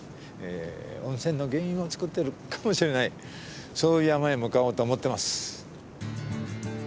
温泉の原因を作ってるかもしれないそういう山へ向かおうと思ってます。